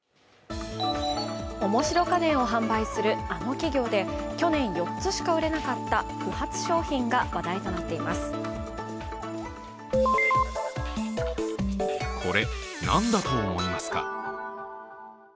面白家電を販売するあの企業で、去年４つしか売れなかった不発商品が話題となっています。